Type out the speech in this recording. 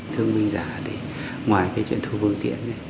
thương binh giả thì ngoài cái chuyện thu phương tiện